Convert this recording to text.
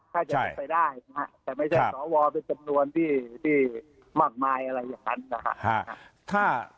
ถ้าจะเป็นไปได้นะฮะแต่ไม่ใช่สวเป็นจำนวนที่มากมายอะไรอย่างนั้นนะฮะ